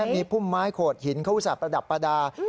มีพุ่มไม้โขดหินเข้าสระประดับประดา